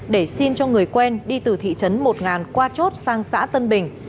để xin cho người quen đi từ thị trấn một qua chốt sang xã tân bình